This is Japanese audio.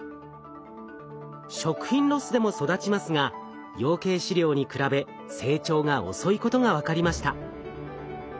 食品ロスでも育ちますが養鶏飼料に比べ成長が遅いことが分かりました。